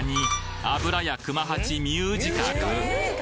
油屋熊八ミュージカル！